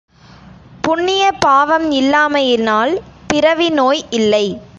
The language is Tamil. புண்ணிய பாவம் இல்லாமையினால் பிறவி நோய் இல்லை.